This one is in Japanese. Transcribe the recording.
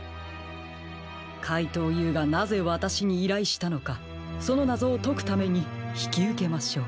かいとうＵがなぜわたしにいらいしたのかそのなぞをとくためにひきうけましょう。